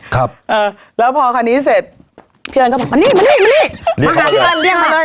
ครับเออแล้วพอคันนี้เสร็จพี่เอิญก็บอกมานี่มานี่มานี่มาหาพี่เอิญเรียกมาเลย